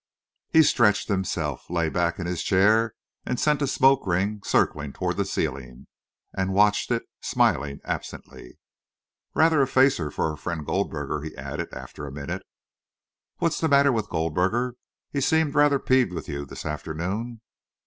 He stretched himself, lay back in his chair, sent a smoke ring circling toward the ceiling, and watched it, smiling absently. "Rather a facer for our friend Goldberger," he added, after a minute. "What's the matter with Goldberger? He seemed rather peeved with you this afternoon."